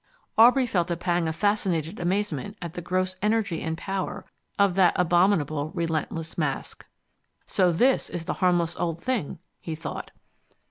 Aubrey felt a pang of fascinated amazement at the gross energy and power of that abominable relentless mask. "So this is the harmless old thing!" he thought.